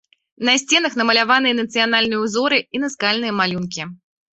На сценах намаляваныя нацыянальныя ўзоры і наскальныя малюнкі.